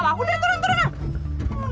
udah turun turun turun